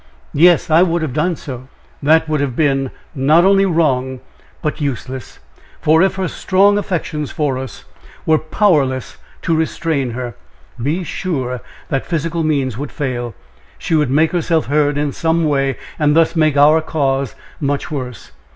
"Yes! I would have done so!" "That would have been not only wrong, but useless; for if her strong affections for us were powerless to restrain her, be sure that physical means would fail; she would make herself heard in some way, and thus make our cause much worse.